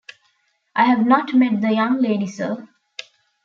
I have not met the young lady, sir.